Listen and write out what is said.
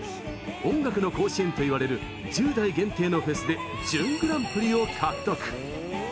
音楽の甲子園といわれる１０代限定のフェスで準グランプリを獲得。